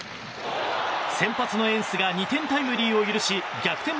先発のエンスが２点タイムリーを許し逆転